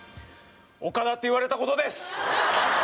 「岡田」って言われた事です！